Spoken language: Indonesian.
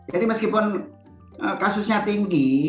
jadi meskipun kasusnya tinggi